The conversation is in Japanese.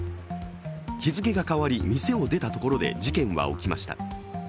日付が変わり、店を出たところで事件は起きました。